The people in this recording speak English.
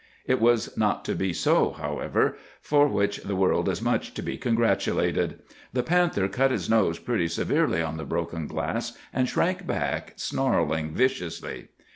"It was not to be so, however; for which the world is much to be congratulated. The panther cut his nose pretty severely on the broken glass, and shrank back, snarling viciously.